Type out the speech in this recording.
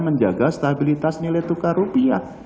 menjaga stabilitas nilai tukar rupiah